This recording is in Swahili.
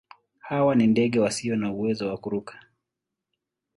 Hawa ni ndege wasio na uwezo wa kuruka.